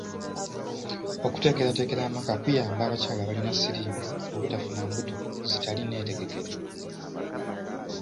Okuteekerateekera amaka kuyamba abakyala abalina siriimu obutafuna mbuto zitali nneetegekere.